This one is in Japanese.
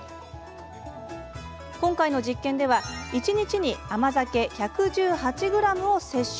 今回の実験では一日に甘酒１１８ｇを摂取。